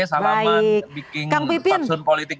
salaman bikin paksun politik